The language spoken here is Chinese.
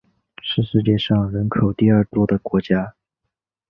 是世界上人口第二多的国家。